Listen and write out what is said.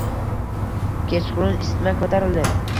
Kechqurun isitma ko‘tarildi.